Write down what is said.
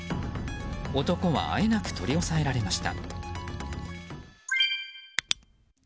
男はあえなく取り押さえられました。